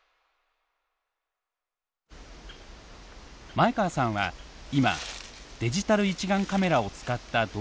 前川さんは今デジタル一眼カメラを使った動画撮影に挑戦しています。